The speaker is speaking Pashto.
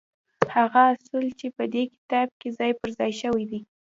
هغه اصول چې په دې کتاب کې ځای پر ځای شوي دي.